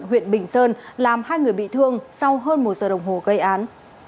huyện bình sơn làm hai người bị thương sau hơn một giờ đồng hồ gây án